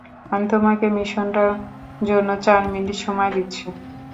আমি তোমাকে মিশনটার জন্য চার মিনিট সময় দিচ্ছি।